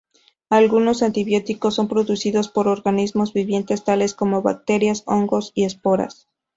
Algunos antibióticos son producidos por organismos vivientes tales como bacterias, hongos, y esporas.